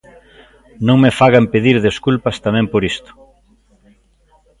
Non me fagan pedir desculpas tamén por isto.